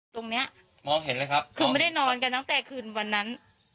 ตรงเนี้ยมองเห็นเลยครับคือไม่ได้นอนกันตั้งแต่คืนวันนั้น